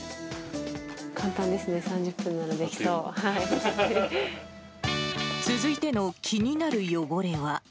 簡単ですね、３０分ならでき続いての気になる汚れは。